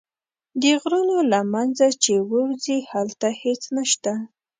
د غرونو له منځه چې ووځې هلته هېڅ نه شته.